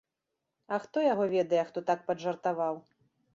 А хто яго ведае, хто так паджартаваў.